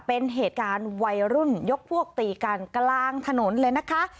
เป็นเหตุการณ์วัยรุ่นยกพวกตีกันกลางถนนเลยนะคะ